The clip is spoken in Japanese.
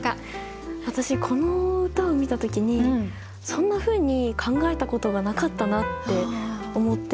私この歌を見た時にそんなふうに考えたことがなかったなって思って。